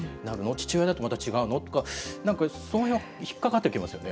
父親だと、また違うの？とか、なんかそのへん、引っ掛かってきますよね。